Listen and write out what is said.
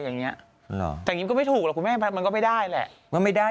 อย่างเงี้ยแต่อย่างนี้ก็ไม่ถูกหรอกคุณแม่มันก็ไม่ได้แหละมันไม่ได้